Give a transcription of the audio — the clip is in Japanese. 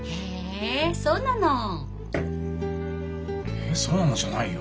「へえそうなの」じゃないよ。